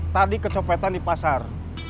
tadi kecopetan di pasar